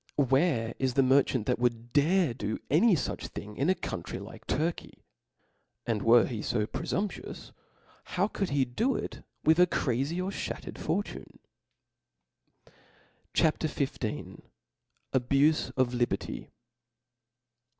Where is the merchant that would dare do any fuch thing in a country like Turky ?. And were he {o prefumpnious, how could he do ic wich a crazy or flbattered fortune ? e H A P. XV. Abufe of Liberty.